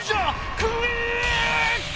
クリック！